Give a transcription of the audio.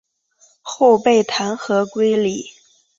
后被弹劾归里。